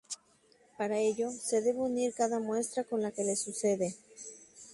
Para ello, se debe unir cada muestra con la que le sucede.